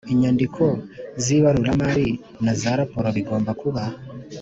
Inyandiko z ibaruramari na za raporo bigomba kuba